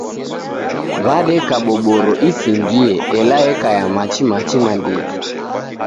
Wadeka boboro isingie ela eka ya machi-machi nandighi.